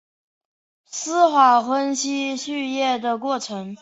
词法分析序列的过程。